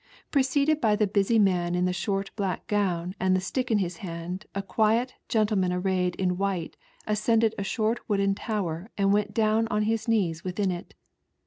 Preceded by the busy mau in the short black gown I and the stick in his hand a quiet gentleman arrayed white ascended a short wooden tower and went down on his knees within it.